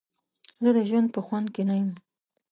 زه د ژوند په خوند کې نه یم.